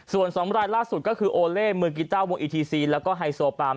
ส่วน๒รายล่าสุดก็คือโอเล่มือกีต้าวงอีทีซีนแล้วก็ไฮโซปาม